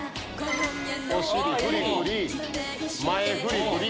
お尻フリフリ前フリフリ。